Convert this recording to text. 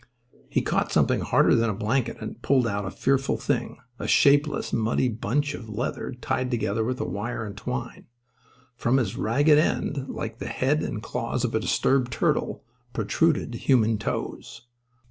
He caught something harder than a blanket and pulled out a fearful thing—a shapeless, muddy bunch of leather tied together with wire and twine. From its ragged end, like the head and claws of a disturbed turtle, protruded human toes.